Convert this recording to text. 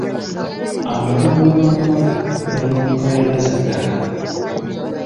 Amaka g'obwakabaka gali mu nkaayana za ttaka.